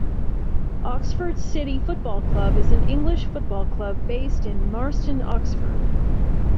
Oxford City Football Club is an English football club based in Marston, Oxford.